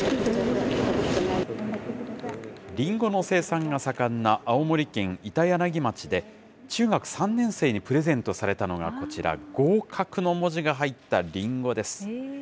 りんごの生産が盛んな青森県板柳町で、中学３年生にプレゼントされたのがこちら、合格の文字が入ったりんごです。